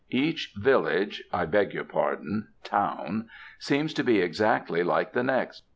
Each village I beg your pardon, 'town' seems to be exactly like the next.